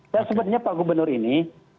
dan sebetulnya pak gubernur ini